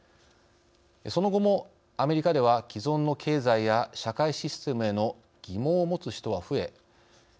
その後も、アメリカでは既存の経済や社会システムへの疑問を持つ人は増え